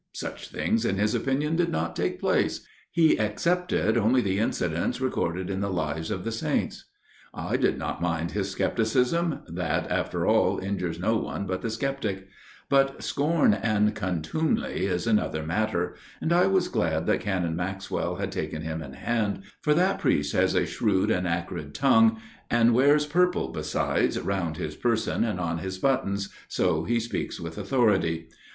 Such things in his opinion did not take place ; he excepted only the incidents recorded in the lives of the saints. I did not mind his scepticism (that, after PROLOGUE 3 all, injures no one but the sceptic) ; but scorn and contumely is another matter, and I was glad that Canon Maxwell had taken him in hand, for that priest has a shrewd and acrid tongue, and wears purple, besides, round his person and on his buttons, so he speaks with authority.